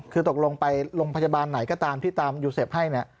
คือตกลงไปโรงพยาบาลไหนก็ตามที่ตามยูเซฟให้เนี่ย